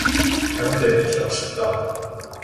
臺灣的一條省道